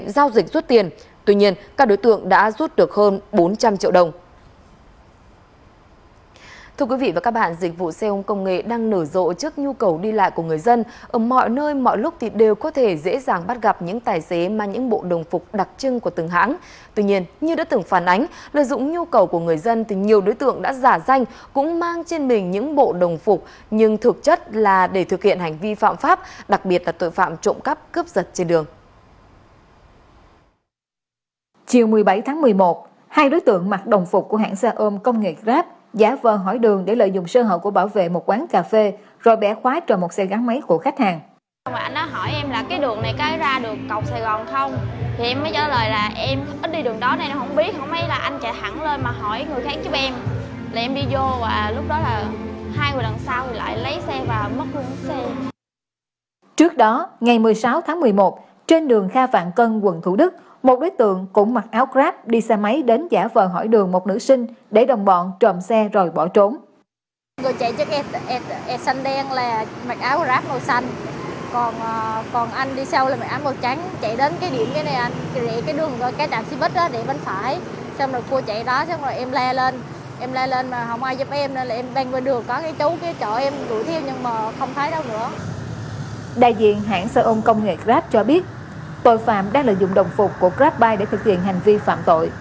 đại diện hãng sở ôn công nghệ grab cho biết tội phạm đã lợi dụng đồng phục của grabbuy để thực hiện hành vi phạm tội